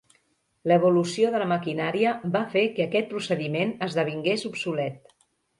L'evolució de la maquinària va fer que aquest procediment esdevingués obsolet.